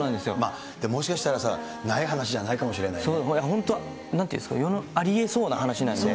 もしかしたらさ、ない話じゃない本当、なんて言うんですかね、ありえそうな話なんですよ。